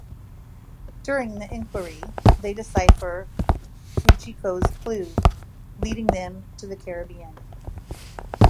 During the inquiry, they decipher Fujiko's clue, leading them to the Caribbean.